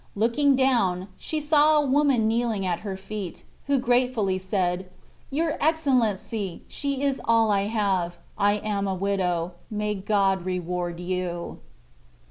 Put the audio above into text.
Looking down, she saw a woman kneeling at her feet, who gratefully said: "Your Excellency, she is all I have. I am a widow. May God reward you."